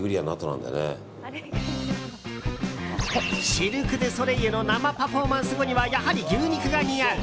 シルク・ドゥ・ソレイユの生パフォーマンス後にはやはり牛肉が似合う。